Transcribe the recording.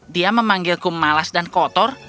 dia memanggilku malas dan kotor